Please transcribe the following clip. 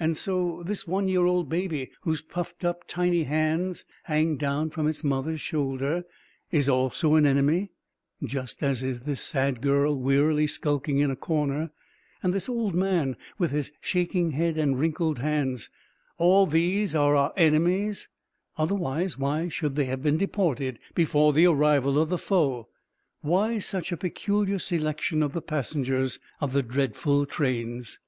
And so this one year old baby whose puffed up, tiny hand hangs down from its mother's shoulder is also an enemy, just as is this sad girl wearily skulking in a corner, and this old man with his shaking head and wrinkled hands, all these are our enemies, otherwise why should they have been deported before the arrival of the foe? Why such a peculiar selection of the passengers of the dreadful trains?